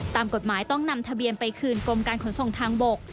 ตามกฎหมายต้องนำทะเบียนไปคืนกรมการขนส่งทางบก